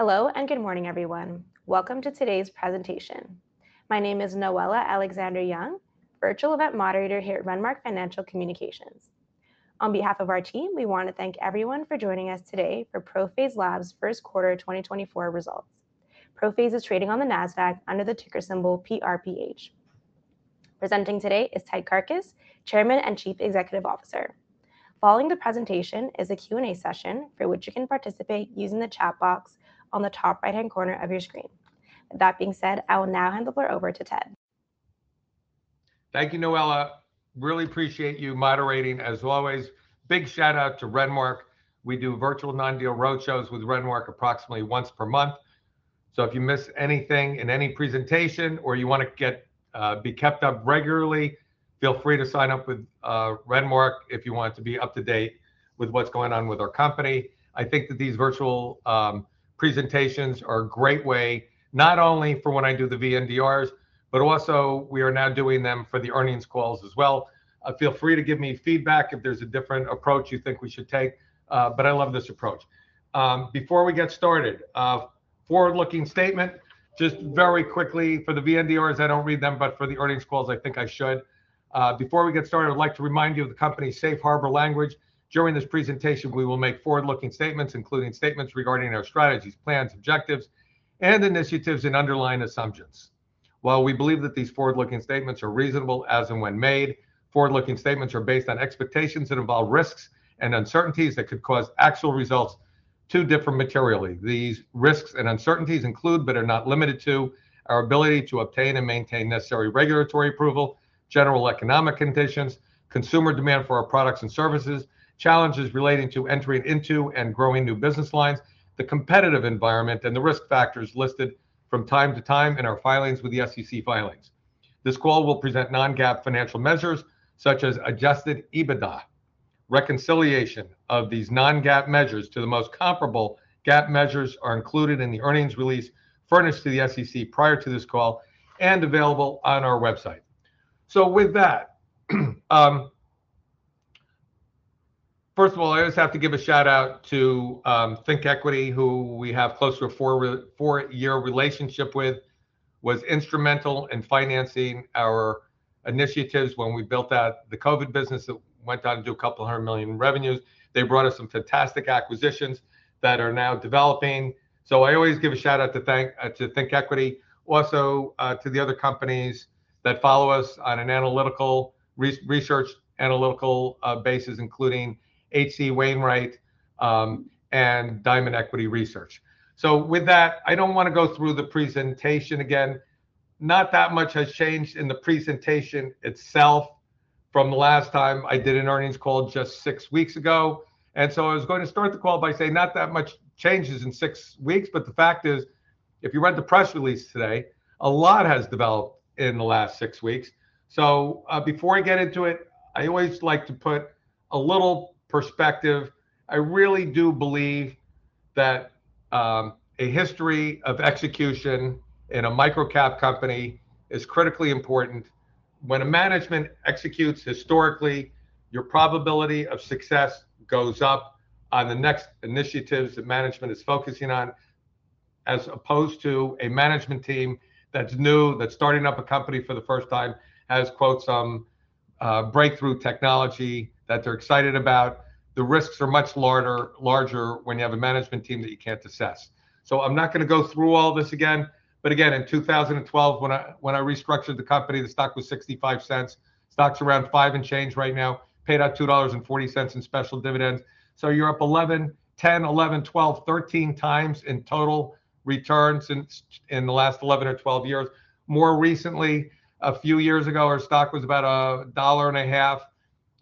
Hello, and good morning everyone. Welcome to today's presentation. My name is Noella Alexander-Young, virtual event moderator here at Renmark Financial Communications. On behalf of our team, we want to thank everyone for joining us today for ProPhase Labs' first quarter 2024 results. ProPhase is trading on the Nasdaq under the ticker symbol PRPH. Presenting today is Ted Karkus, Chairman and Chief Executive Officer. Following the presentation is a Q&A session, for which you can participate using the chat box on the top right-hand corner of your screen. That being said, I will now hand the floor over to Ted. Thank you, Noella. Really appreciate you moderating as always. Big shout out to Renmark. We do virtual non-deal roadshows with Renmark approximately once per month, so if you miss anything in any presentation or you wanna get, be kept up regularly, feel free to sign up with, Renmark if you want to be up to date with what's going on with our company. I think that these virtual presentations are a great way, not only for when I do the VNDRs, but also we are now doing them for the earnings calls as well. Feel free to give me feedback if there's a different approach you think we should take, but I love this approach. Before we get started, a forward-looking statement, just very quickly for the VNDRs, I don't read them, but for the earnings calls, I think I should. Before we get started, I'd like to remind you of the company's safe harbor language. During this presentation, we will make forward-looking statements, including statements regarding our strategies, plans, objectives, and initiatives, and underlying assumptions. While we believe that these forward-looking statements are reasonable as and when made, forward-looking statements are based on expectations that involve risks and uncertainties that could cause actual results to differ materially. These risks and uncertainties include, but are not limited to, our ability to obtain and maintain necessary regulatory approval, general economic conditions, consumer demand for our products and services, challenges relating to entering into and growing new business lines, the competitive environment, and the risk factors listed from time to time in our filings with the SEC filings. This call will present non-GAAP financial measures such as Adjusted EBITDA. Reconciliation of these non-GAAP measures to the most comparable GAAP measures are included in the earnings release furnished to the SEC prior to this call and available on our website. So with that, first of all, I just have to give a shout out to ThinkEquity, who we have close to a four-year relationship with, was instrumental in financing our initiatives when we built out the COVID business that went on to do $200 million in revenues. They brought us some fantastic acquisitions that are now developing. So I always give a shout out to thank to ThinkEquity. Also, to the other companies that follow us on a research analytical basis, including H.C. Wainwright and Diamond Equity Research. So with that, I don't wanna go through the presentation again. Not that much has changed in the presentation itself from the last time I did an earnings call just six weeks ago, and so I was going to start the call by saying not that much changes in six weeks. But the fact is, if you read the press release today, a lot has developed in the last six weeks. So, before I get into it, I always like to put a little perspective. I really do believe that a history of execution in a microcap company is critically important. When a management executes historically, your probability of success goes up on the next initiatives that management is focusing on, as opposed to a management team that's new, that's starting up a company for the first time, has, quote, some breakthrough technology that they're excited about. The risks are much larger, larger when you have a management team that you can't assess. So I'm not gonna go through all this again, but again, in 2012, when I, when I restructured the company, the stock was $0.65. Stock's around $5 and change right now, paid out $2.40 in special dividends. So you're up 11, 10, 11, 12, 13 times in total returns since- in the last 11 or 12 years. More recently, a few years ago, our stock was about $1.50.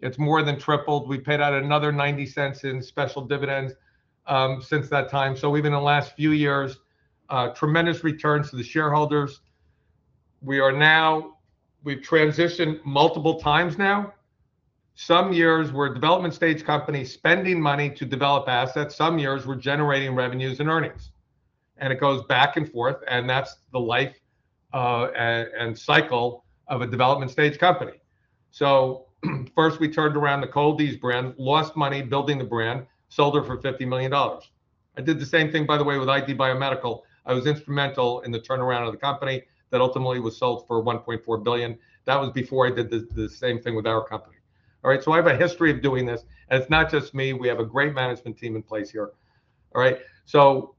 It's more than tripled. We paid out another $0.90 in special dividends, since that time. So even in the last few years, tremendous returns to the shareholders. We've transitioned multiple times now. Some years, we're a development stage company spending money to develop assets. Some years, we're generating revenues and earnings, and it goes back and forth, and that's the life, and cycle of a development stage company. So first, we turned around the Cold-EEZE brand, lost money building the brand, sold her for $50 million. I did the same thing, by the way, with ID Biomedical. I was instrumental in the turnaround of the company that ultimately was sold for $1.4 billion. That was before I did the same thing with our company. All right, so I have a history of doing this, and it's not just me. We have a great management team in place here. All right, so,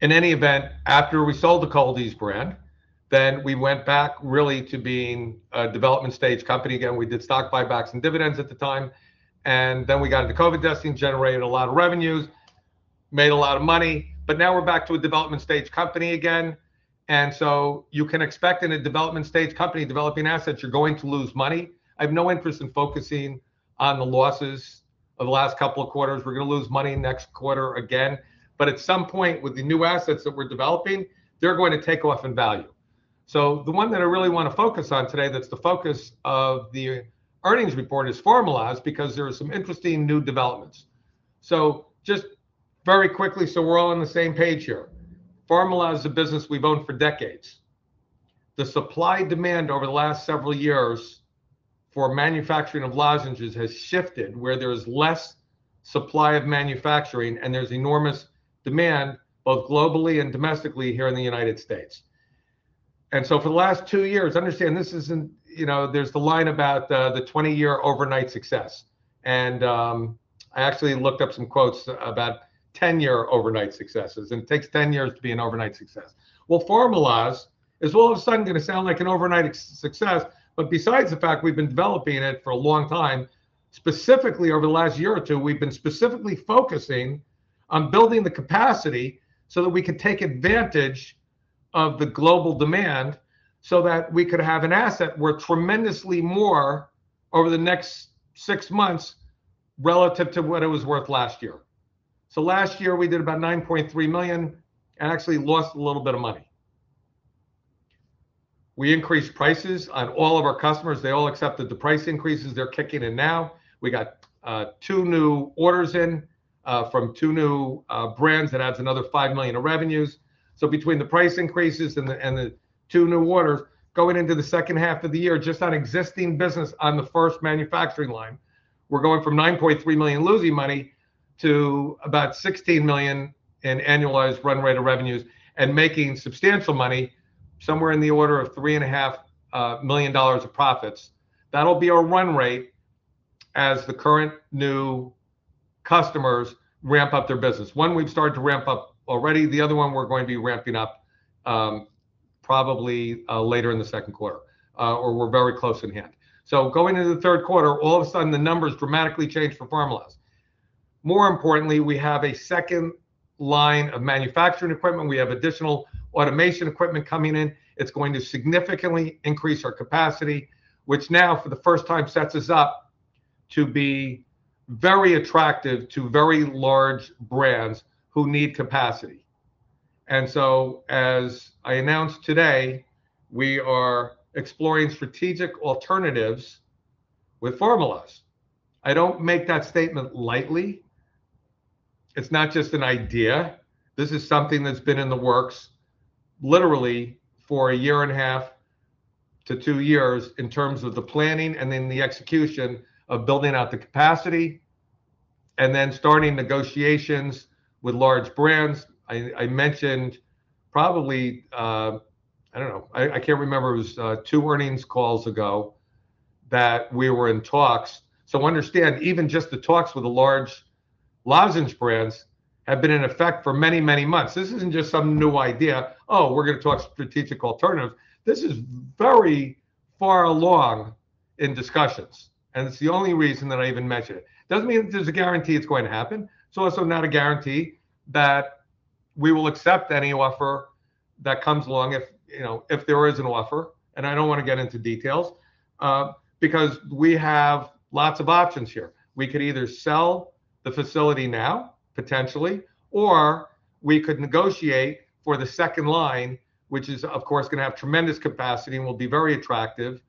in any event, after we sold the Cold-EEZE brand, then we went back really to being a development stage company again. We did stock buybacks and dividends at the time, and then we got into COVID testing, generated a lot of revenues, made a lot of money, but now we're back to a development stage company again. So you can expect in a development stage company, developing assets, you're going to lose money. I have no interest in focusing on the losses of the last couple of quarters. We're gonna lose money next quarter again, but at some point, with the new assets that we're developing, they're going to take off in value. The one that I really wanna focus on today, that's the focus of the earnings report, is Pharmaloz, because there are some interesting new developments. So just very quickly, so we're all on the same page here. Pharmaloz is a business we've owned for decades.... The supply and demand over the last several years for manufacturing of lozenges has shifted, where there's less supply of manufacturing, and there's enormous demand, both globally and domestically here in the United States. And so for the last two years, understand, this isn't... You know, there's the line about, the 20-year overnight success, and, I actually looked up some quotes about 10-year overnight successes, and it takes 10 years to be an overnight success. Well, Pharmalyz is all of a sudden gonna sound like an overnight success, but besides the fact we've been developing it for a long time, specifically over the last year or two, we've been specifically focusing on building the capacity so that we can take advantage of the global demand, so that we could have an asset worth tremendously more over the next 6 months relative to what it was worth last year. So last year, we did about $9.3 million and actually lost a little bit of money. We increased prices on all of our customers. They all accepted the price increases. They're kicking in now. We got two new orders in from two new brands. That adds another $5 million of revenues. So between the price increases and the two new orders, going into the second half of the year, just on existing business on the first manufacturing line, we're going from $9.3 million losing money to about $16 million in annualized run rate of revenues and making substantial money, somewhere in the order of $3.5 million of profits. That'll be our run rate as the current new customers ramp up their business. One we've started to ramp up already, the other one we're going to be ramping up, probably later in the second quarter or we're very close in hand. So going into the third quarter, all of a sudden, the numbers dramatically change for Pharmalyz. More importantly, we have a second line of manufacturing equipment. We have additional automation equipment coming in. It's going to significantly increase our capacity, which now, for the first time, sets us up to be very attractive to very large brands who need capacity. And so, as I announced today, we are exploring strategic alternatives with Pharmalyz. I don't make that statement lightly. It's not just an idea. This is something that's been in the works literally for a year and a half to 2 years in terms of the planning and then the execution of building out the capacity and then starting negotiations with large brands. I mentioned probably, I don't know. I can't remember, it was 2 earnings calls ago that we were in talks. Understand, even just the talks with the large lozenge brands have been in effect for many, many months. This isn't just some new idea, "Oh, we're gonna talk strategic alternatives." This is very far along in discussions, and it's the only reason that I even mention it. Doesn't mean there's a guarantee it's going to happen. It's also not a guarantee that we will accept any offer that comes along, if, you know, if there is an offer, and I don't want to get into details, because we have lots of options here. We could either sell the facility now, potentially, or we could negotiate for the second line, which is, of course, gonna have tremendous capacity and will be very attractive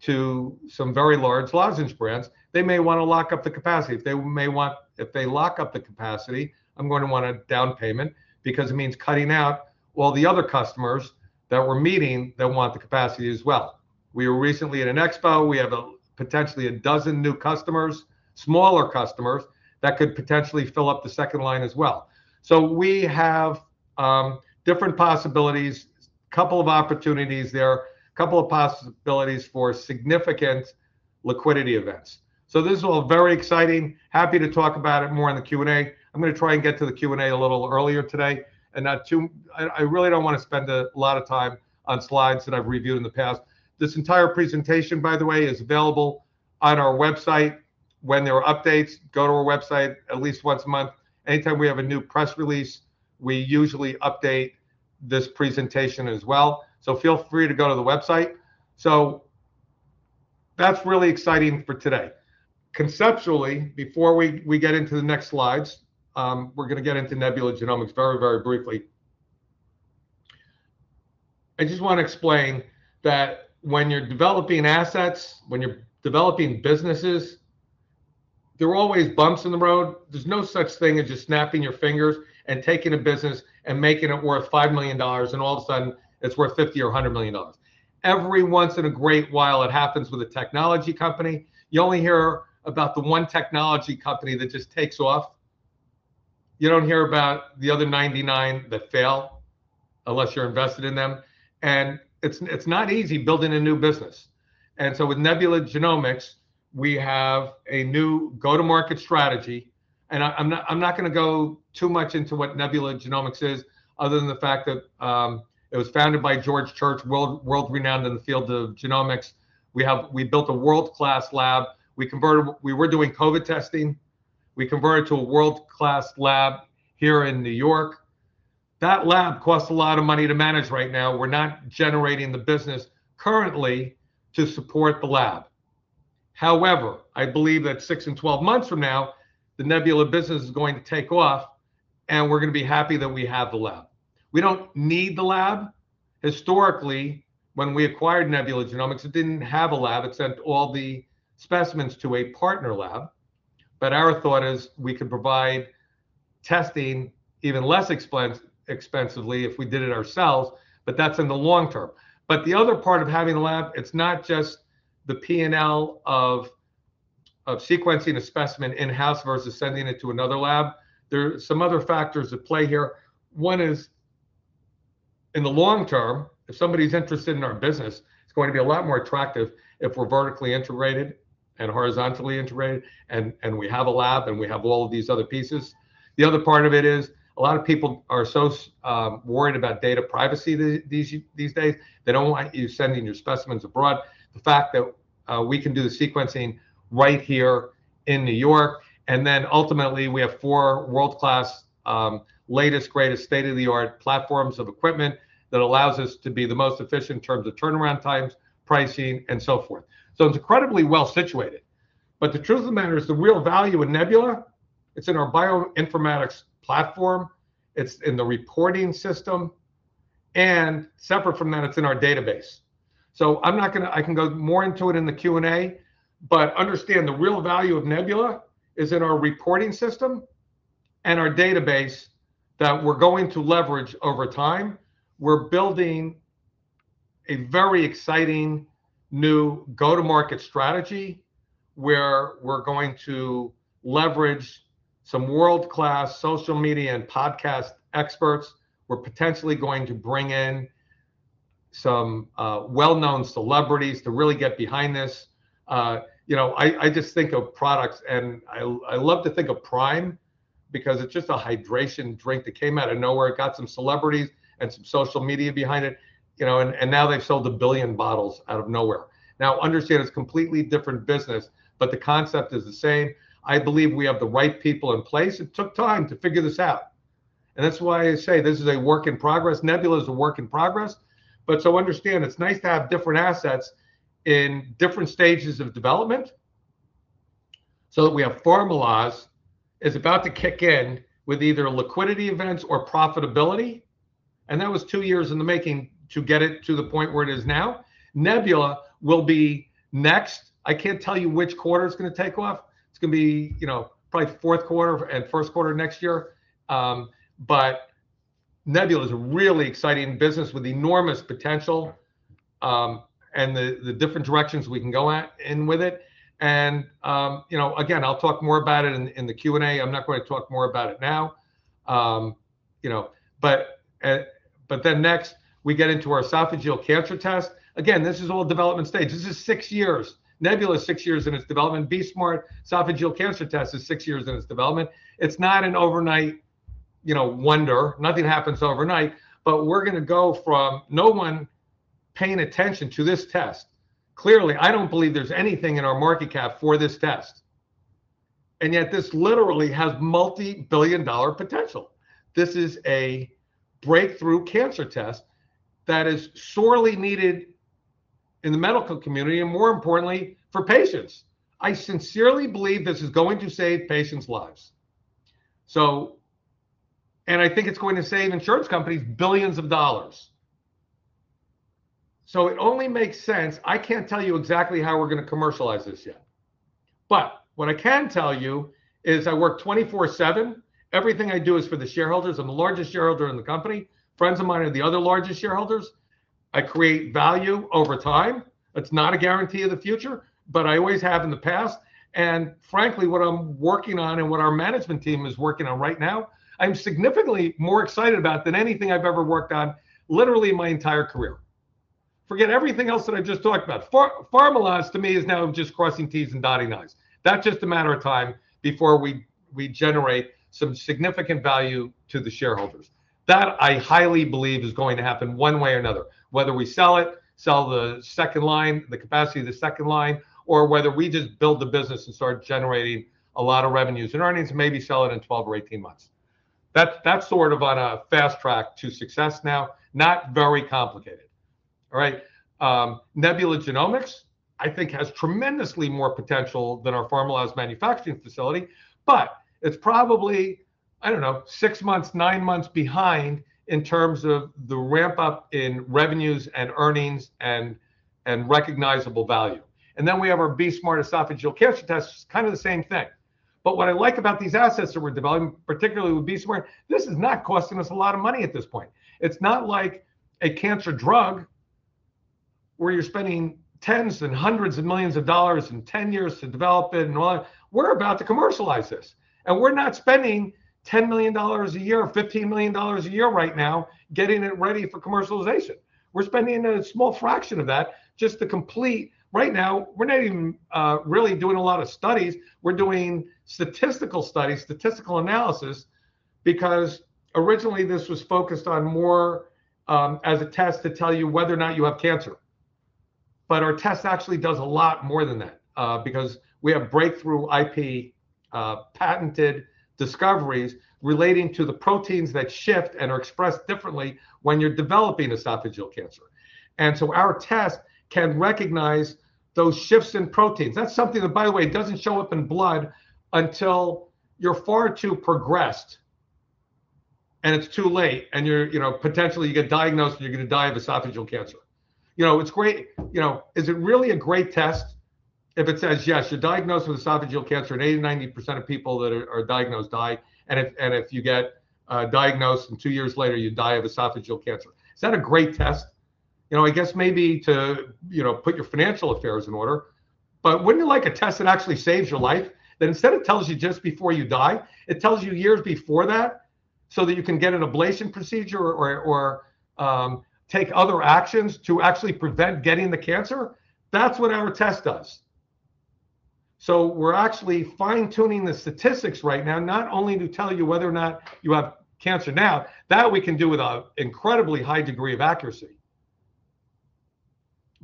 to some very large lozenge brands. They may wanna lock up the capacity. They may want... If they lock up the capacity, I'm going to want a down payment because it means cutting out all the other customers that we're meeting that want the capacity as well. We were recently at an expo. We have potentially a dozen new customers, smaller customers, that could potentially fill up the second line as well. So we have different possibilities, couple of opportunities there, couple of possibilities for significant liquidity events. So this is all very exciting. Happy to talk about it more in the Q&A. I'm gonna try and get to the Q&A a little earlier today and not too... I really don't wanna spend a lot of time on slides that I've reviewed in the past. This entire presentation, by the way, is available on our website. When there are updates, go to our website at least once a month. Anytime we have a new press release, we usually update this presentation as well, so feel free to go to the website. So that's really exciting for today. Conceptually, before we get into the next slides, we're gonna get into Nebula Genomics very, very briefly. I just wanna explain that when you're developing assets, when you're developing businesses, there are always bumps in the road. There's no such thing as just snapping your fingers and taking a business and making it worth $5 million, and all of a sudden, it's worth $50 million or $100 million. Every once in a great while, it happens with a technology company. You only hear about the one technology company that just takes off. You don't hear about the other 99 that fail, unless you're invested in them, and it's, it's not easy building a new business. And so with Nebula Genomics, we have a new go-to-market strategy, and I, I'm not, I'm not gonna go too much into what Nebula Genomics is, other than the fact that it was founded by George Church, world, world-renowned in the field of genomics. We built a world-class lab. We converted. We were doing COVID testing. We converted to a world-class lab here in New York. That lab costs a lot of money to manage right now. We're not generating the business currently to support the lab. However, I believe that 6 and 12 months from now, the Nebula business is going to take off, and we're gonna be happy that we have the lab. We don't need the lab. Historically, when we acquired Nebula Genomics, it didn't have a lab. It sent all the specimens to a partner lab, but our thought is we could provide testing even less expensively if we did it ourselves, but that's in the long term. But the other part of having a lab, it's not just the P&L of sequencing a specimen in-house versus sending it to another lab. There are some other factors at play here. One is, in the long term, if somebody's interested in our business, it's going to be a lot more attractive if we're vertically integrated and horizontally integrated, and, and we have a lab, and we have all of these other pieces. The other part of it is, a lot of people are so worried about data privacy these, these, these days. They don't want you sending your specimens abroad. The fact that we can do the sequencing right here in New York, and then ultimately, we have four world-class, latest, greatest state-of-the-art platforms of equipment that allows us to be the most efficient in terms of turnaround times, pricing, and so forth. So it's incredibly well situated, but the truth of the matter is, the real value in Nebula, it's in our bioinformatics platform, it's in the reporting system, and separate from that, it's in our database. So I'm not gonna... I can go more into it in the Q&A, but understand, the real value of Nebula is in our reporting system and our database that we're going to leverage over time. We're building a very exciting, new go-to-market strategy, where we're going to leverage some world-class social media and podcast experts. We're potentially going to bring in some, well-known celebrities to really get behind this. You know, I just think of products, and I love to think of Prime because it's just a hydration drink that came out of nowhere. It got some celebrities and some social media behind it, you know, and, and now they've sold 1 billion bottles out of nowhere. Now, understand it's a completely different business, but the concept is the same. I believe we have the right people in place. It took time to figure this out, and that's why I say this is a work in progress. Nebula is a work in progress, but so understand, it's nice to have different assets in different stages of development. So that we have PharmaLyz is about to kick in with either liquidity events or profitability, and that was two years in the making to get it to the point where it is now. Nebula will be next. I can't tell you which quarter it's gonna take off. It's gonna be, you know, probably fourth quarter and first quarter next year. But Nebula is a really exciting business with enormous potential, and the different directions we can go in with it, and, you know, again, I'll talk more about it in the Q&A. I'm not going to talk more about it now. You know, but then next we get into our esophageal cancer test. Again, this is all development stage. This is six years. Nebula is six years in its development. BE-Smart esophageal cancer test is six years in its development. It's not an overnight, you know, wonder. Nothing happens overnight, but we're gonna go from no one paying attention to this test... Clearly, I don't believe there's anything in our market cap for this test, and yet, this literally has multi-billion dollar potential. This is a breakthrough cancer test that is sorely needed in the medical community and, more importantly, for patients. I sincerely believe this is going to save patients' lives. And I think it's going to save insurance companies billions of dollars. It only makes sense. I can't tell you exactly how we're gonna commercialize this yet, but what I can tell you is I work 24/7. Everything I do is for the shareholders. I'm the largest shareholder in the company. Friends of mine are the other largest shareholders. I create value over time. It's not a guarantee of the future, but I always have in the past, and frankly, what I'm working on and what our management team is working on right now, I'm significantly more excited about than anything I've ever worked on, literally in my entire career. Forget everything else that I've just talked about. PharmaLyz, to me, is now just crossing T's and dotting I's. That's just a matter of time before we, we generate some significant value to the shareholders. That, I highly believe, is going to happen one way or another, whether we sell it, sell the second line, the capacity of the second line, or whether we just build the business and start generating a lot of revenues and earnings, maybe sell it in 12 or 18 months. That's, that's sort of on a fast track to success now. Not very complicated, all right? Nebula Genomics, I think has tremendously more potential than our Pharmaloz manufacturing facility, but it's probably, I don't know, 6 months, 9 months behind in terms of the ramp-up in revenues and earnings and, and recognizable value. And then we have our Be-Smart esophageal cancer test, which is kind of the same thing. But what I like about these assets that we're developing, particularly with BE-Smart, this is not costing us a lot of money at this point. It's not like a cancer drug, where you're spending tens and hundreds of millions of dollars and 10 years to develop it and all that. We're about to commercialize this, and we're not spending $10 million a year or $15 million a year right now getting it ready for commercialization. We're spending a small fraction of that just to complete right now, we're not even really doing a lot of studies. We're doing statistical studies, statistical analysis, because originally this was focused on more as a test to tell you whether or not you have cancer. But our test actually does a lot more than that, because we have breakthrough IP, patented discoveries relating to the proteins that shift and are expressed differently when you're developing esophageal cancer. And so our test can recognize those shifts in proteins. That's something that, by the way, doesn't show up in blood until you're far too progressed, and it's too late, and you're, you know, potentially you get diagnosed, and you're gonna die of esophageal cancer. You know, it's great. You know, is it really a great test if it says, "Yes, you're diagnosed with esophageal cancer, and 80%-90% of people that are, are diagnosed die, and if, and if you get diagnosed, and two years later you die of esophageal cancer?" Is that a great test? You know, I guess maybe to, you know, put your financial affairs in order, but wouldn't you like a test that actually saves your life? That instead of telling you just before you die, it tells you years before that, so that you can get an ablation procedure or take other actions to actually prevent getting the cancer. That's what our test does. So we're actually fine-tuning the statistics right now, not only to tell you whether or not you have cancer now. That we can do with an incredibly high degree of accuracy.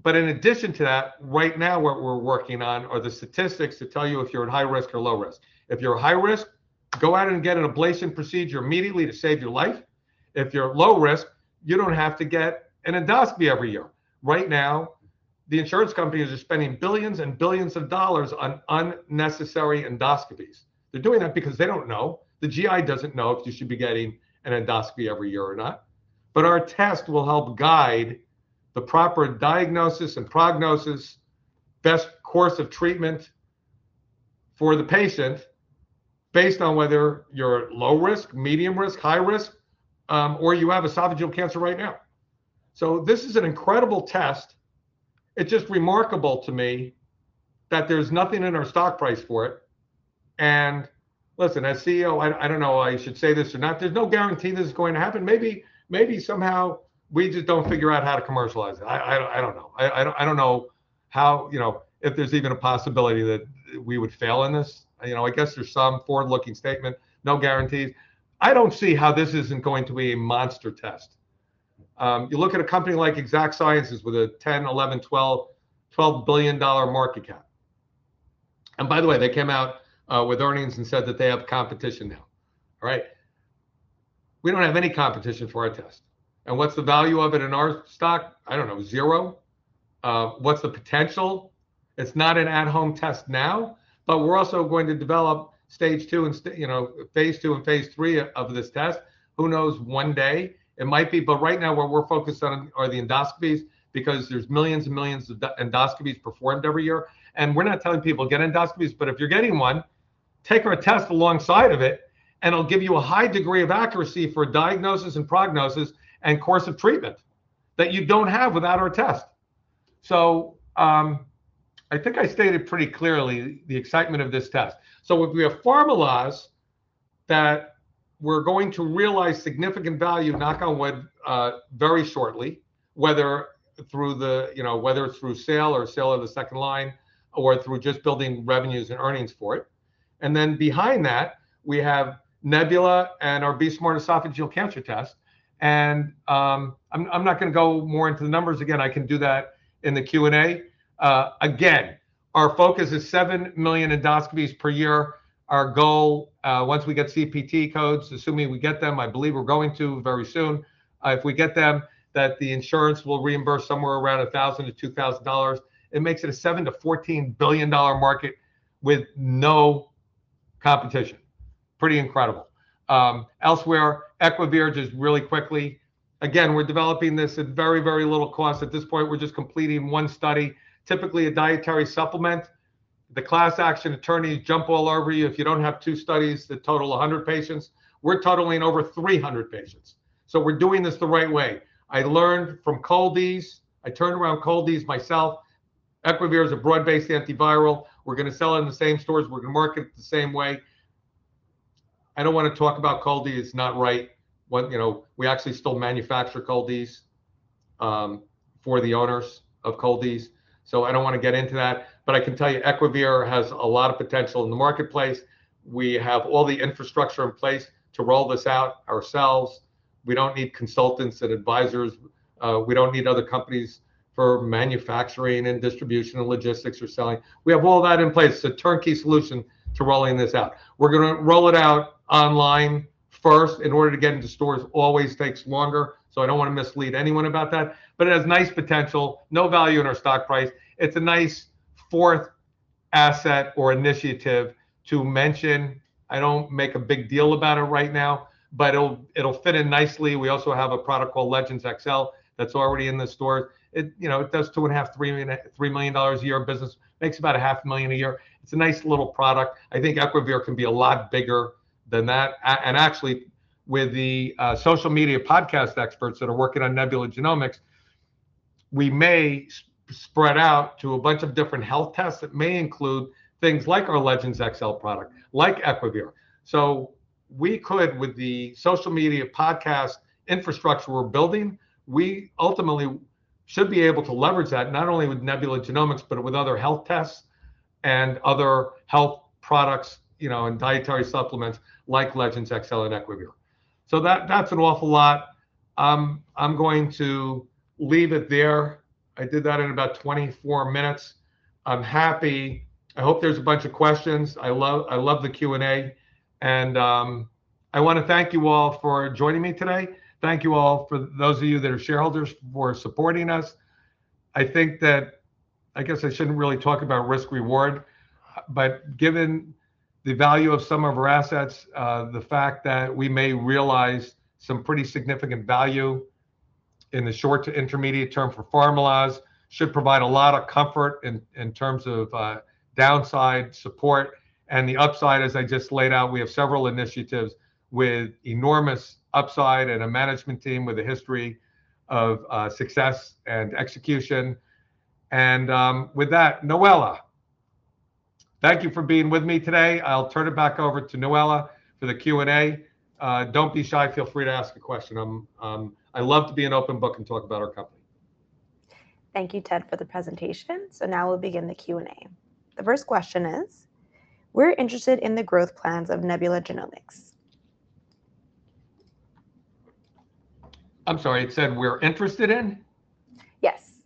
But in addition to that, right now what we're working on are the statistics to tell you if you're at high risk or low risk. If you're at high risk, go out and get an ablation procedure immediately to save your life. If you're at low risk, you don't have to get an endoscopy every year. Right now, the insurance companies are spending $ billions and billions on unnecessary endoscopies. They're doing that because they don't know. The GI doesn't know if you should be getting an endoscopy every year or not, but our test will help guide the proper diagnosis and prognosis, best course of treatment for the patient based on whether you're low risk, medium risk, high risk, or you have esophageal cancer right now. So this is an incredible test. It's just remarkable to me that there's nothing in our stock price for it, and listen, as CEO, I don't know if I should say this or not, there's no guarantee this is going to happen. Maybe somehow we just don't figure out how to commercialize it. I don't know. I don't know how... you know, if there's even a possibility that we would fail in this. You know, I guess there's some forward-looking statement, no guarantees. I don't see how this isn't going to be a monster test. You look at a company like Exact Sciences with a $10-$12 billion market cap, and by the way, they came out with earnings and said that they have competition now, right? We don't have any competition for our test, and what's the value of it in our stock? I don't know. Zero? What's the potential? It's not an at-home test now, but we're also going to develop stage two and phase two and phase three of this test. Who knows? One day it might be, but right now what we're focused on are the endoscopies, because there's millions and millions of endoscopies performed every year. And we're not telling people, "Get endoscopies," but if you're getting one, take our test alongside of it, and it'll give you a high degree of accuracy for diagnosis and prognosis and course of treatment that you don't have without our test. I think I stated pretty clearly the excitement of this test. So we have Pharmalyz, that we're going to realize significant value, knock on wood, very shortly, whether through the... you know, whether through sale or sale of the second line or through just building revenues and earnings for it, and then behind that, we have Nebula and our BE-Smart esophageal cancer test, and, I'm not going to go more into the numbers again. I can do that in the Q&A. Again, our focus is 7 million endoscopies per year. Our goal, once we get CPT codes, assuming we get them, I believe we're going to very soon, if we get them, that the insurance will reimburse somewhere around $1,000-$2,000. It makes it a $7-$14 billion dollar market with no competition. Pretty incredible. Elsewhere, Equivir, just really quickly, again, we're developing this at very, very little cost. At this point, we're just completing one study. Typically, a dietary supplement, the class action attorneys jump all over you if you don't have two studies that total 100 patients. We're totaling over 300 patients, so we're doing this the right way. I learned from Cold-EEZE. I turned around Cold-EEZE myself. Equivir is a broad-based antiviral. We're gonna sell it in the same stores. We're gonna market it the same way. I don't want to talk about Cold-EEZE. It's not right. But, you know, we actually still manufacture Cold-EEZE for the owners of Cold-EEZE, so I don't want to get into that, but I can tell you Equivir has a lot of potential in the marketplace. We have all the infrastructure in place to roll this out ourselves. We don't need consultants and advisors. We don't need other companies for manufacturing and distribution and logistics or selling. We have all that in place. It's a turnkey solution to rolling this out. We're gonna roll it out online first. In order to get into stores always takes longer, so I don't want to mislead anyone about that, but it has nice potential, no value in our stock price. It's a nice fourth asset or initiative to mention. I don't make a big deal about it right now, but it'll fit in nicely. We also have a product called Legendz XL that's already in the stores. It, you know, it does $2.5-$3 million a year of business. Makes about $500,000 a year. It's a nice little product. I think Equivir can be a lot bigger than that, and actually, with the social media podcast experts that are working on Nebula Genomics, we may spread out to a bunch of different health tests that may include things like our Legendz XL product, like Equivir. we could, with the social media podcast infrastructure we're building, we ultimately should be able to leverage that, not only with Nebula Genomics, but with other health tests and other health products, you know, and dietary supplements like Legendz XL and Equivir. So that, that's an awful lot. I'm going to leave it there. I did that in about 24 minutes. I'm happy... I hope there's a bunch of questions. I love, I love the Q&A, and, I want to thank you all for joining me today. Thank you all, for those of you that are shareholders, for supporting us.... I think that, I guess I shouldn't really talk about risk/reward, but given the value of some of our assets, the fact that we may realize some pretty significant value in the short to intermediate term for Pharmalyz should provide a lot of comfort in terms of downside support, and the upside, as I just laid out, we have several initiatives with enormous upside and a management team with a history of success and execution. With that, Noella. Thank you for being with me today. I'll turn it back over to Noella for the Q&A. Don't be shy. Feel free to ask a question. I love to be an open book and talk about our company. Thank you, Ted, for the presentation. So now we'll begin the Q&A. The first question is, "We're interested in the growth plans of Nebula Genomics. I'm sorry, it said, "We're interested in? Yes.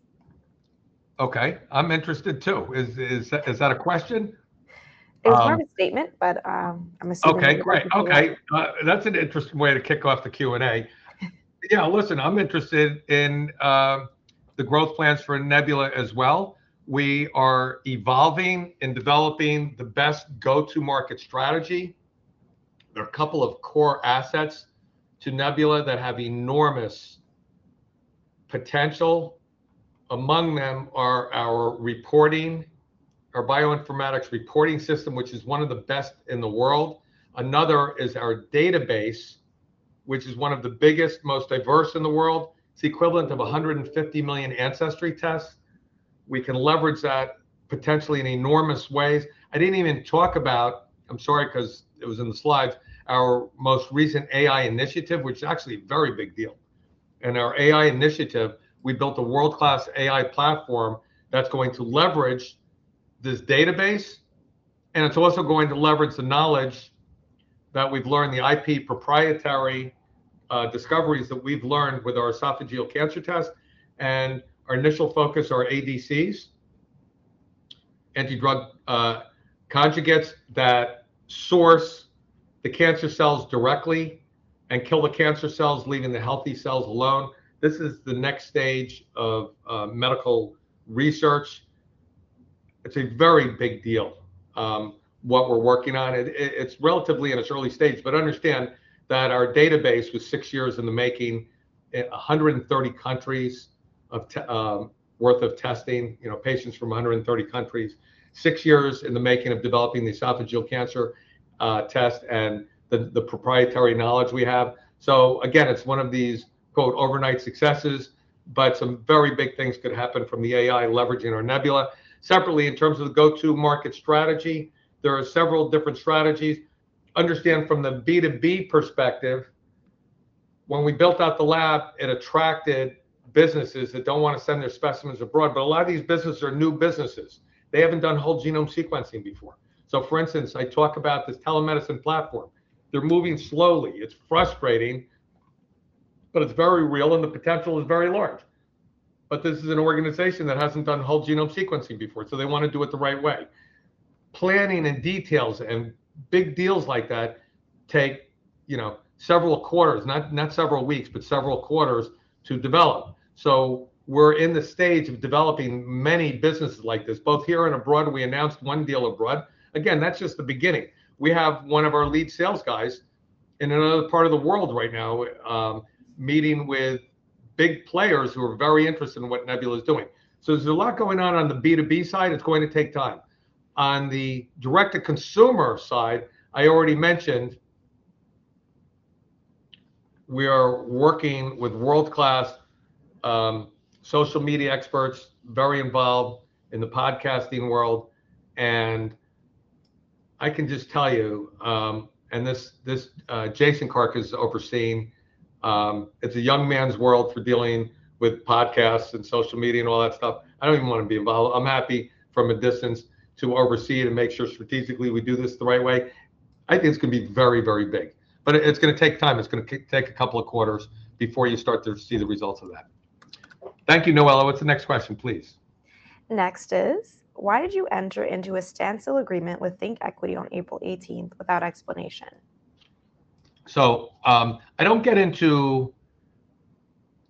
Okay, I'm interested, too. Is that a question? It was more of a statement, but I'm assuming- Okay, great. Okay. That's an interesting way to kick off the Q&A. Yeah, listen, I'm interested in the growth plans for Nebula as well. We are evolving and developing the best go-to-market strategy. There are a couple of core assets to Nebula that have enormous potential. Among them are our reporting, our bioinformatics reporting system, which is one of the best in the world. Another is our database, which is one of the biggest, most diverse in the world. It's the equivalent of 150 million ancestry tests. We can leverage that potentially in enormous ways. I didn't even talk about... I'm sorry, 'cause it was in the slides, our most recent AI initiative, which is actually a very big deal. In our AI initiative, we built a world-class AI platform that's going to leverage this database, and it's also going to leverage the knowledge that we've learned, the IP proprietary discoveries that we've learned with our esophageal cancer test and our initial focus, our ADCs, anti-drug conjugates, that source the cancer cells directly and kill the cancer cells, leaving the healthy cells alone. This is the next stage of medical research. It's a very big deal what we're working It's relatively in its early stages, but understand that our database was six years in the making, in 130 countries worth of testing, you know, patients from 130 countries. Six years in the making of developing the esophageal cancer test and the proprietary knowledge we have. So again, it's one of these "overnight successes," but some very big things could happen from the AI leveraging our Nebula. Separately, in terms of the go-to-market strategy, there are several different strategies. Understand from the B2B perspective, when we built out the lab, it attracted businesses that don't want to send their specimens abroad, but a lot of these businesses are new businesses. They haven't done whole genome sequencing before. So, for instance, I talk about this telemedicine platform. They're moving slowly. It's frustrating, but it's very real, and the potential is very large. But this is an organization that hasn't done whole genome sequencing before, so they want to do it the right way. Planning and details and big deals like that take, you know, several quarters, not several weeks, but several quarters to develop. So we're in the stage of developing many businesses like this, both here and abroad. We announced one deal abroad. Again, that's just the beginning. We have one of our lead sales guys in another part of the world right now, meeting with big players who are very interested in what Nebula is doing. So there's a lot going on on the B2B side. It's going to take time. On the direct-to-consumer side, I already mentioned we are working with world-class, social media experts, very involved in the podcasting world, and I can just tell you, and this, Jason Karkus is overseeing, it's a young man's world for dealing with podcasts and social media and all that stuff. I don't even want to be involved. I'm happy from a distance to oversee it and make sure strategically we do this the right way. I think it's gonna be very, very big, but it, it's gonna take a couple of quarters before you start to see the results of that. Thank you, Noella. What's the next question, please? Next is, "Why did you enter into a standstill agreement with ThinkEquity on April 18th without explanation? So, I don't get into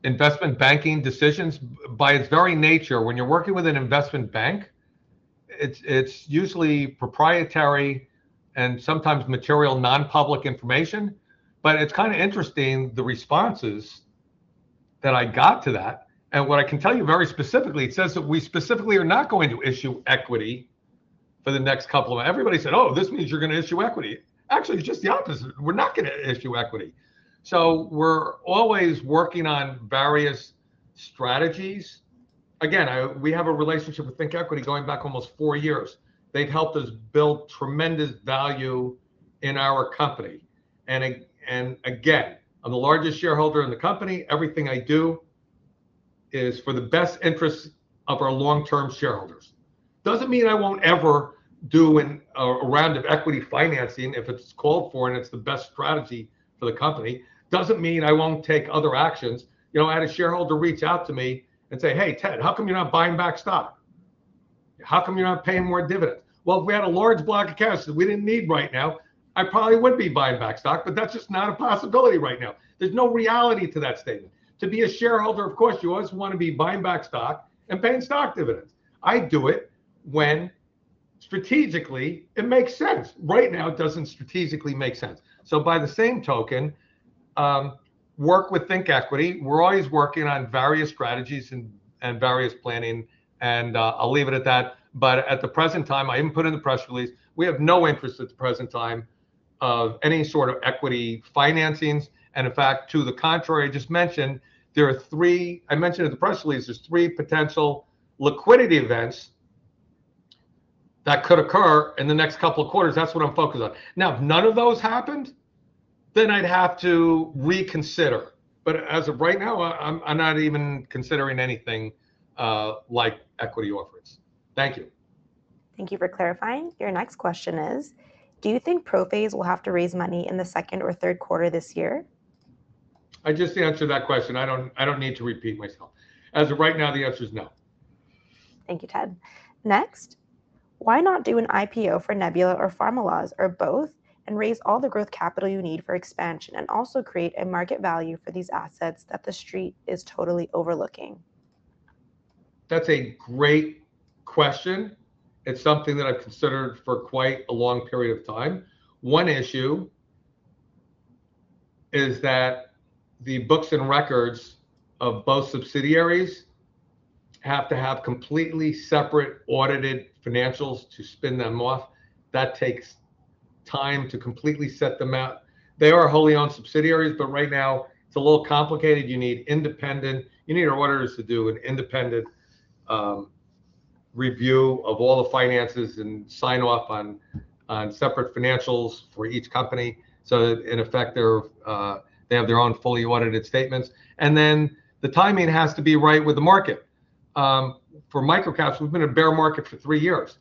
investment banking decisions. By its very nature, when you're working with an investment bank, it's usually proprietary and sometimes material non-public information. But it's kind of interesting, the responses that I got to that, and what I can tell you very specifically, it says that we specifically are not going to issue equity for the next couple... Everybody said, "Oh, this means you're gonna issue equity." Actually, it's just the opposite. We're not gonna issue equity. We're always working on various strategies. Again, we have a relationship with ThinkEquity going back almost four years. They've helped us build tremendous value in our company, and again, I'm the largest shareholder in the company. Everything I do is for the best interest of our long-term shareholders. Doesn't mean I won't ever do a round of equity financing if it's called for, and it's the best strategy for the company. Doesn't mean I won't take other actions. You know, I had a shareholder reach out to me and say, "Hey, Ted, how come you're not buying back stock? How come you're not paying more dividends?" Well, if we had a large block of cash that we didn't need right now, I probably would be buying back stock, but that's just not a possibility right now. There's no reality to that statement. To be a shareholder, of course, you always wanna be buying back stock and paying stock dividends. I do it when strategically it makes sense. Right now, it doesn't strategically make sense. So by the same token, work with ThinkEquity, we're always working on various strategies and various planning, and I'll leave it at that. But at the present time, I even put it in the press release, we have no interest at the present time of any sort of equity financings, and in fact, to the contrary, I just mentioned, there are three... I mentioned in the press release, there's three potential liquidity events that could occur in the next couple of quarters. That's what I'm focused on. Now, if none of those happened, then I'd have to reconsider, but as of right now, I'm, I'm not even considering anything like equity offerings. Thank you. Thank you for clarifying. Your next question is: Do you think ProPhase will have to raise money in the second or third quarter this year? I just answered that question. I don't, I don't need to repeat myself. As of right now, the answer is no. Thank you, Ted. Next, why not do an IPO for Nebula or PharmaLyz, or both, and raise all the growth capital you need for expansion, and also create a market value for these assets that the Street is totally overlooking? That's a great question. It's something that I've considered for quite a long period of time. One issue is that the books and records of both subsidiaries have to have completely separate audited financials to spin them off. That takes time to completely set them out. They are wholly owned subsidiaries, but right now it's a little complicated. You need auditors to do an independent review of all the finances and sign off on separate financials for each company, so that in effect, they're they have their own fully audited statements. And then the timing has to be right with the market. For microcaps, we've been in a bear market for three years.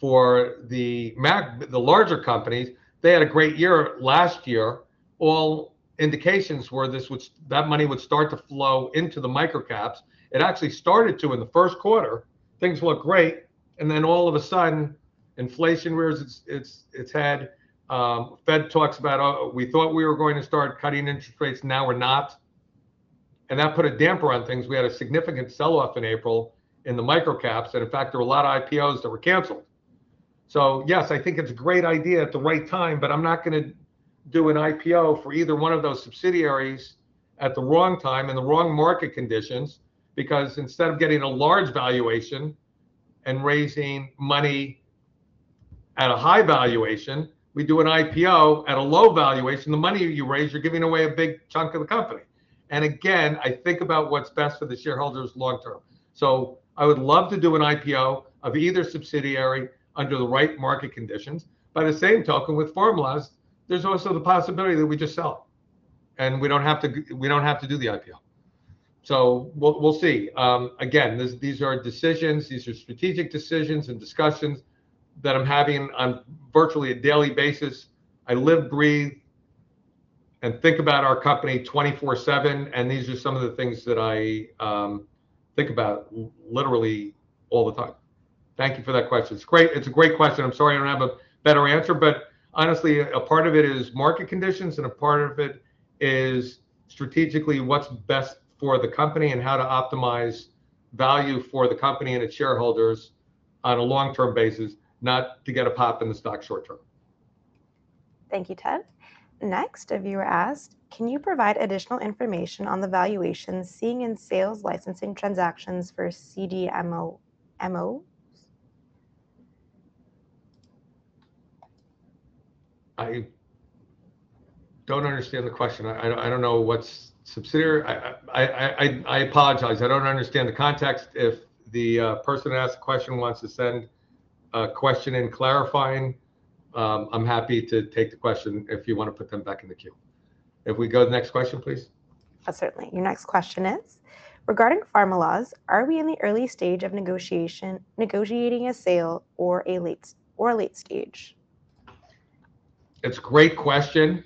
For the larger companies, they had a great year last year. All indications were that money would start to flow into the microcaps. It actually started to in the first quarter, things looked great, and then all of a sudden, inflation rears its head. Fed talks about, "Oh, we thought we were going to start cutting interest rates, now we're not," and that put a damper on things. We had a significant sell-off in April in the microcaps. That in fact, there were a lot of IPOs that were canceled. Yes, I think it's a great idea at the right time, but I'm not gonna do an IPO for either one of those subsidiaries at the wrong time and the wrong market conditions. Because instead of getting a large valuation and raising money at a high valuation, we do an IPO at a low valuation, the money you raise, you're giving away a big chunk of the company. Again, I think about what's best for the shareholders long term. So I would love to do an IPO of either subsidiary under the right market conditions. By the same token, with PharmaLyz, there's also the possibility that we just sell, and we don't have to do the IPO. We'll see. Again, these are decisions, these are strategic decisions and discussions that I'm having on virtually a daily basis. I live, breathe, and think about our company 24/7, and these are some of the things that I think about literally all the time. Thank you for that question. It's great. It's a great question. I'm sorry I don't have a better answer, but honestly, a part of it is market conditions, and a part of it is strategically what's best for the company and how to optimize value for the company and its shareholders on a long-term basis, not to get a pop in the stock short term. Thank you, Ted. Next, a viewer asked: can you provide additional information on the valuations seen in sales licensing transactions for CDMOs? I don't understand the question. I don't know what's subsidiary... I apologize. I don't understand the context. If the person who asked the question wants to send a question in clarifying, I'm happy to take the question if you wanna put them back in the queue. If we go to the next question, please. Most certainly. Your next question is: regarding Pharmalyz, are we in the early stage of negotiation, negotiating a sale or a late stage? It's a great question.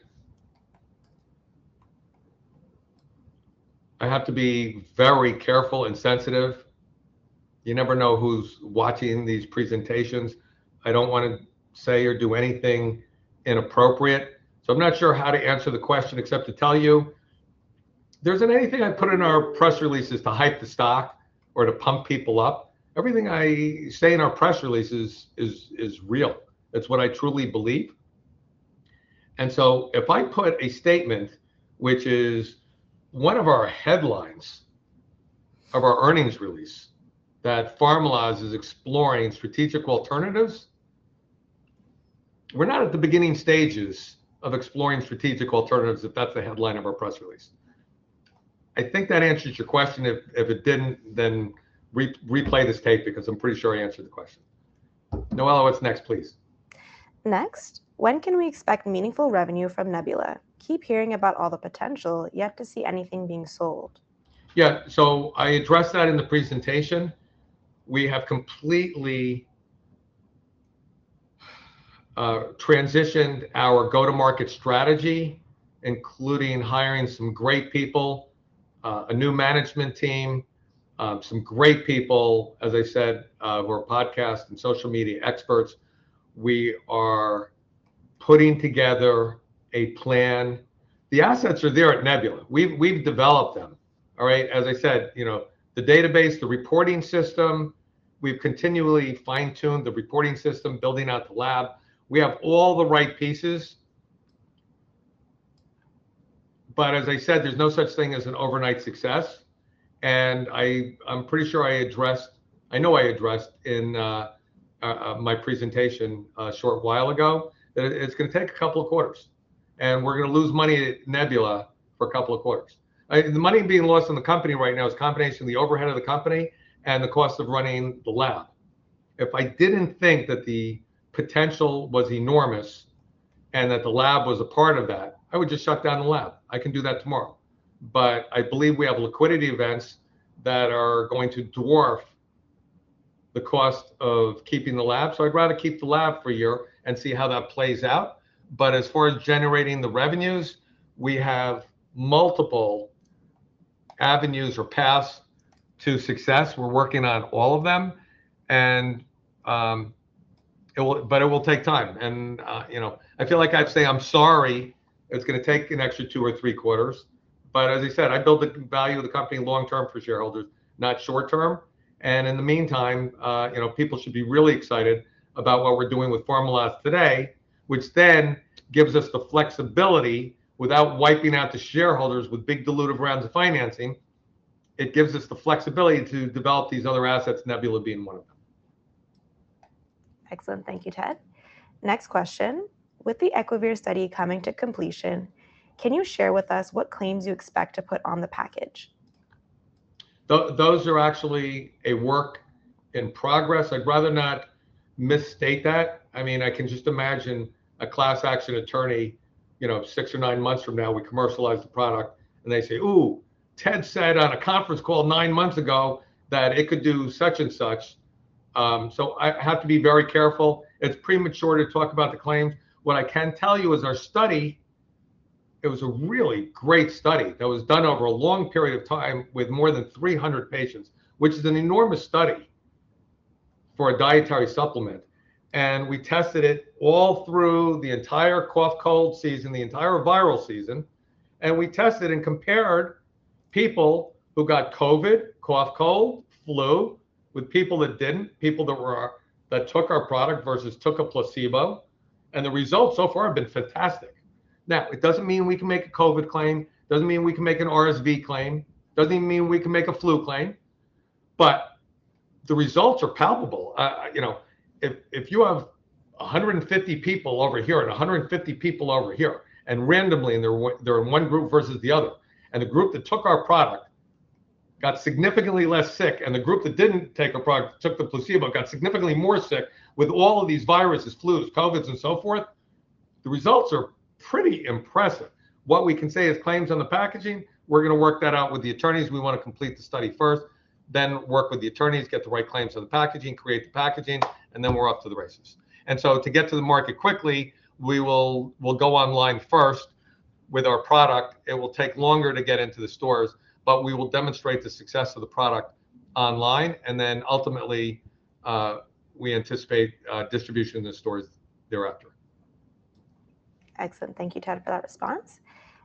I have to be very careful and sensitive. You never know who's watching these presentations. I don't wanna say or do anything inappropriate. So I'm not sure how to answer the question, except to tell you, there isn't anything I put in our press releases to hype the stock or to pump people up. Everything I say in our press releases is, is real. It's what I truly believe. If I put a statement, which is one of our headlines of our earnings release, that Pharmalyz is exploring strategic alternatives, we're not at the beginning stages of exploring strategic alternatives if that's the headline of our press release. I think that answers your question. If, if it didn't, then replay this tape, because I'm pretty sure I answered the question. Noella, what's next, please? Next, when can we expect meaningful revenue from Nebula? Keep hearing about all the potential, yet to see anything being sold. Yeah. So I addressed that in the presentation. We have completely transitioned our go-to-market strategy, including hiring some great people, a new management team, some great people, as I said, who are podcast and social media experts. We are putting together a plan. The assets are there at Nebula. We've developed them, all right? As I said, you know, the database, the reporting system, we've continually fine-tuned the reporting system, building out the lab. We have all the right pieces, but as I said, there's no such thing as an overnight success, and I'm pretty sure I addressed. I know I addressed in my presentation a short while ago that it's gonna take a couple of quarters, and we're gonna lose money at Nebula for a couple of quarters. The money being lost on the company right now is a combination of the overhead of the company and the cost of running the lab. If I didn't think that the potential was enormous, and that the lab was a part of that, I would just shut down the lab. I can do that tomorrow. But I believe we have liquidity events that are going to dwarf the cost of keeping the lab, so I'd rather keep the lab for a year and see how that plays out. But as far as generating the revenues, we have multiple avenues or paths to success. We're working on all of them, and, but it will take time, and, you know, I feel like I'd say I'm sorry, it's gonna take an extra two or three quarters, but as I said, I build the value of the company long-term for shareholders, not short-term, and in the meantime, you know, people should be really excited about what we're doing with ProPhase Labs today, which then gives us the flexibility without wiping out the shareholders with big dilutive rounds of financing. It gives us the flexibility to develop these other assets, Nebula being one of them. Excellent. Thank you, Ted. Next question: "With the Equivir study coming to completion, can you share with us what claims you expect to put on the package? Those are actually a work in progress. I'd rather not misstate that. I mean, I can just imagine a class action attorney, you know, 6 or 9 months from now, we commercialize the product, and they say, "Ooh, Ted said on a conference call 9 months ago that it could do such and such." So I have to be very careful. It's premature to talk about the claims. What I can tell you is our study, it was a really great study that was done over a long period of time with more than 300 patients, which is an enormous study for a dietary supplement, and we tested it all through the entire cough, cold season, the entire viral season, and we tested and compared people who got COVID, cough, cold, flu, with people that didn't, people that were that took our product versus took a placebo, and the results so far have been fantastic. Now, it doesn't mean we can make a COVID claim, doesn't mean we can make an RSV claim, doesn't even mean we can make a flu claim, but the results are palpable. You know, if you have 150 people over here and 150 people over here, and randomly, and they're in one group versus the other, and the group that took our product got significantly less sick, and the group that didn't take our product, took the placebo, got significantly more sick with all of these viruses, flus, COVIDs, and so forth, the results are pretty impressive. What we can say is claims on the packaging, we're gonna work that out with the attorneys. We want to complete the study first, then work with the attorneys, get the right claims for the packaging, create the packaging, and then we're off to the races. So to get to the market quickly, we'll go online first with our product. It will take longer to get into the stores, but we will demonstrate the success of the product online, and then ultimately, we anticipate distribution in the stores thereafter. Excellent. Thank you, Ted, for that response.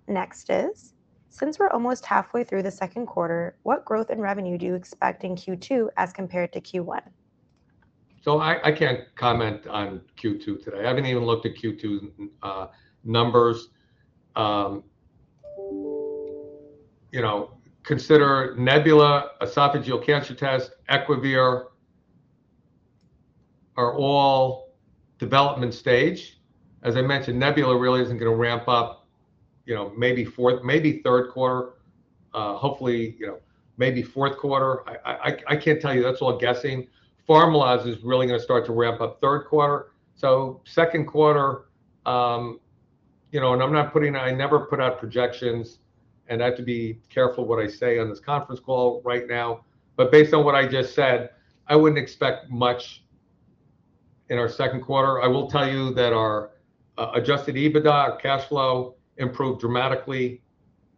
Next is, "Since we're almost halfway through the second quarter, what growth in revenue do you expect in Q2 as compared to Q1? I can't comment on Q2 today. I haven't even looked at Q2 numbers. You know, consider Nebula esophageal cancer test, Equivir, are all development stage. As I mentioned, Nebula really isn't gonna ramp up, you know, maybe fourth, maybe third quarter, hopefully, you know, maybe fourth quarter. I can't tell you. That's all guessing. Pharmalyz is really gonna start to ramp up third quarter. So second quarter, you know, and I'm not putting... I never put out projections, and I have to be careful what I say on this conference call right now, but based on what I just said, I wouldn't expect much in our second quarter. I will tell you that our adjusted EBITDA, our cash flow, improved dramatically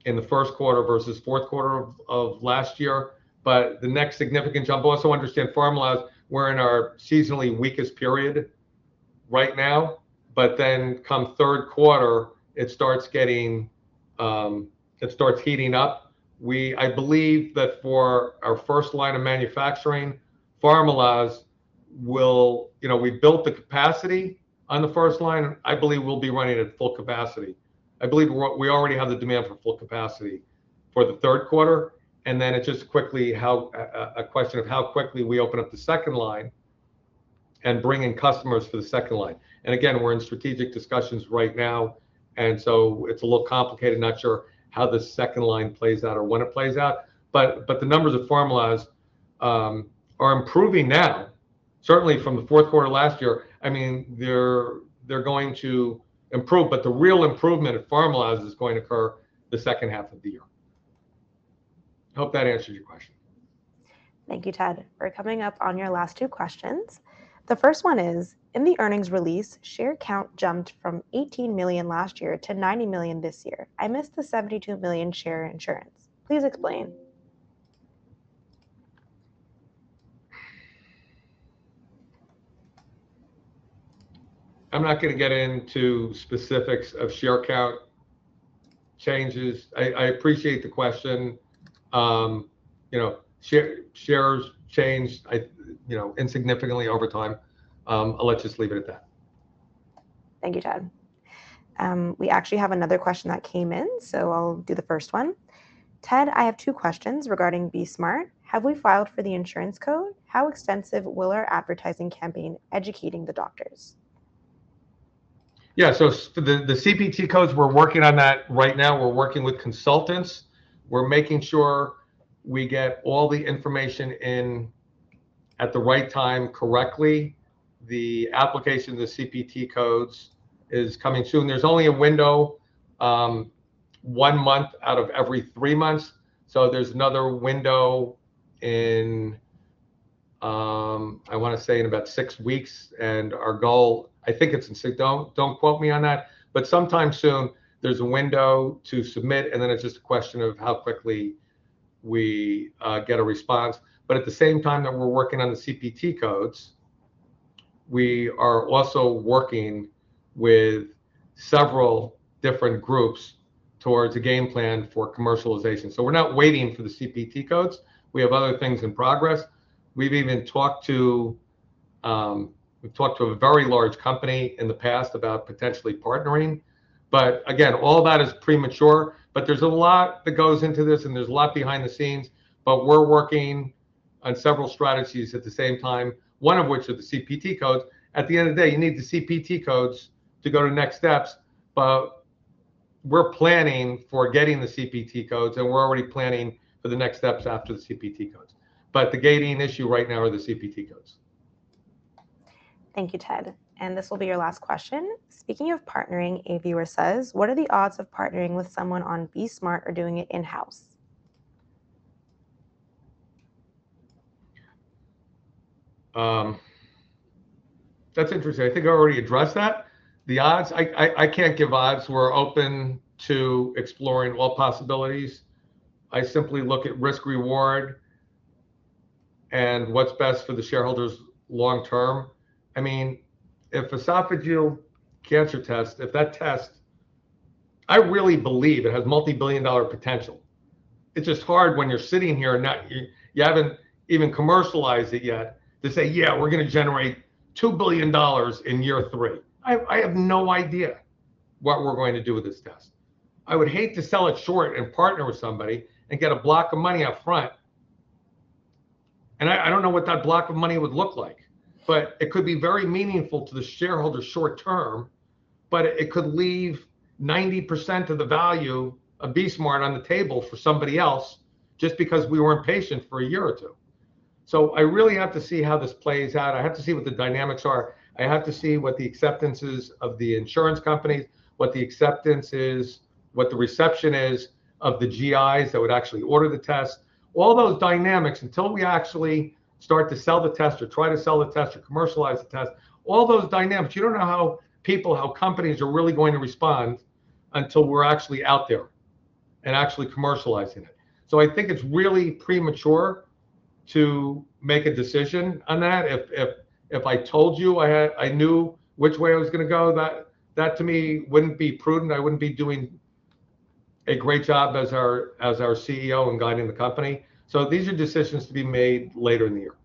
in the first quarter versus fourth quarter of last year, but the next significant jump. Also understand, Pharmaloz, we're in our seasonally weakest period right now, but then come third quarter, it starts getting, it starts heating up. I believe that for our first line of manufacturing, Pharmaloz will, you know, we built the capacity on the first line. I believe we'll be running at full capacity. I believe we already have the demand for full capacity for the third quarter, and then it's just quickly how, a question of how quickly we open up the second line and bring in customers for the second line. And again, we're in strategic discussions right now, and so it's a little complicated. I'm not sure how the second line plays out or when it plays out, but the numbers at Pharmlabs are improving now, certainly from the fourth quarter last year. I mean, they're going to improve, but the real improvement at Pharmlabs is going to occur the second half of the year.... Hope that answers your question. Thank you, Ted. We're coming up on your last two questions. The first one is, "In the earnings release, share count jumped from 18 million last year to 90 million this year. I missed the 72 million share issuance. Please explain. I'm not gonna get into specifics of share count changes. I appreciate the question. You know, shares changed, you know, insignificantly over time. Let's just leave it at that. Thank you, Ted. We actually have another question that came in, so I'll do the first one: "Ted, I have two questions regarding BE-Smart. Have we filed for the insurance code? How extensive will our advertising campaign educating the doctors? Yeah, so for the, the CPT codes, we're working on that right now. We're working with consultants. We're making sure we get all the information in at the right time, correctly. The application of the CPT codes is coming soon. There's only a window, 1 month out of every 3 months, so there's another window in, I wanna say in about 6 weeks, and our goal... I think it's in 6. Don't, don't quote me on that, but sometime soon, there's a window to submit, and then it's just a question of how quickly we get a response. But at the same time that we're working on the CPT codes, we are also working with several different groups towards a game plan for commercialization. So we're not waiting for the CPT codes. We have other things in progress. We've even talked to a very large company in the past about potentially partnering, but again, all that is premature. But there's a lot that goes into this, and there's a lot behind the scenes, but we're working on several strategies at the same time, one of which are the CPT codes. At the end of the day, you need the CPT codes to go to next steps, but we're planning for getting the CPT codes, and we're already planning for the next steps after the CPT codes. But the gating issue right now are the CPT codes. Thank you, Ted, and this will be your last question. "Speaking of partnering," a viewer says, "what are the odds of partnering with someone on BE-Smart or doing it in-house? That's interesting. I think I already addressed that. The odds, I can't give odds. We're open to exploring all possibilities. I simply look at risk-reward, and what's best for the shareholders long term. I mean, if esophageal cancer test, if that test... I really believe it has multi-billion dollar potential. It's just hard when you're sitting here, and not, you, you haven't even commercialized it yet to say, "Yeah, we're gonna generate $2 billion in year three." I have no idea what we're going to do with this test. I would hate to sell it short and partner with somebody and get a block of money up front, and I, I don't know what that block of money would look like, but it could be very meaningful to the shareholders short term, but it, it could leave 90% of the value of BE-Smart on the table for somebody else just because we weren't patient for a year or two. I really have to see how this plays out. I have to see what the dynamics are. I have to see what the acceptance is of the insurance companies, what the acceptance is, what the reception is of the GIs that would actually order the test. All those dynamics, until we actually start to sell the test or try to sell the test or commercialize the test, all those dynamics, you don't know how people, how companies are really going to respond until we're actually out there and actually commercializing it. So I think it's really premature to make a decision on that. If I told you I knew which way I was gonna go, that to me wouldn't be prudent. I wouldn't be doing a great job as our CEO in guiding the company. So these are decisions to be made later in the year.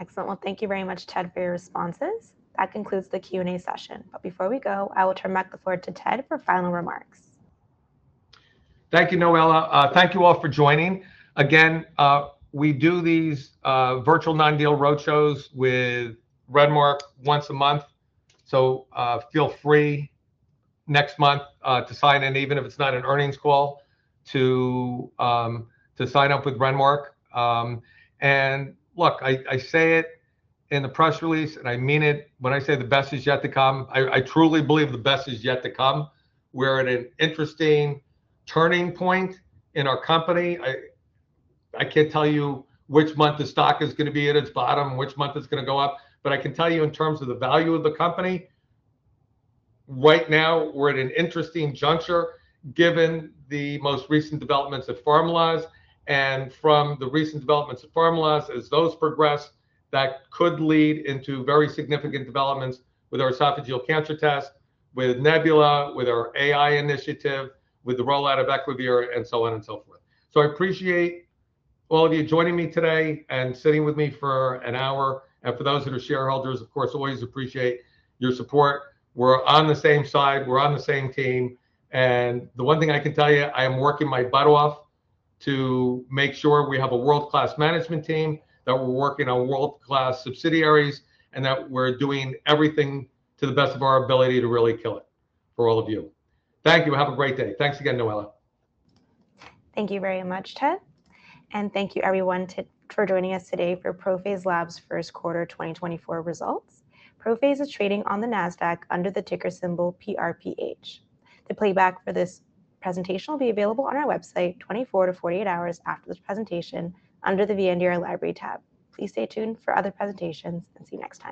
Excellent. Well, thank you very much, Ted, for your responses. That concludes the Q&A session, but before we go, I will turn back the floor to Ted for final remarks. Thank you, Noella. Thank you all for joining. Again, we do these virtual non-deal roadshows with Renmark once a month, so feel free next month to sign in, even if it's not an earnings call, to sign up with Renmark. And look, I say it in the press release, and I mean it when I say the best is yet to come. I truly believe the best is yet to come. We're at an interesting turning point in our company. I can't tell you which month the stock is gonna be at its bottom and which month it's gonna go up, but I can tell you in terms of the value of the company, right now, we're at an interesting juncture, given the most recent developments at Pharmalyz and from the recent developments at Pharmalyz. As those progress, that could lead into very significant developments with our esophageal cancer test, with Nebula, with our AI initiative, with the rollout of Equivir, and so on and so forth. I appreciate all of you joining me today and sitting with me for an hour, and for those who are shareholders, of course, always appreciate your support. We're on the same side. We're on the same team, and the one thing I can tell you, I am working my butt off to make sure we have a world-class management team, that we're working on world-class subsidiaries, and that we're doing everything to the best of our ability to really kill it for all of you. Thank you. Have a great day. Thanks again, Noella. Thank you very much, Ted, and thank you everyone for joining us today for ProPhase Labs' first quarter 2024 results. ProPhase is trading on the Nasdaq under the ticker symbol PRPH. The playback for this presentation will be available on our website 24-48 hours after this presentation under the Investor Library tab. Please stay tuned for other presentations, and see you next time.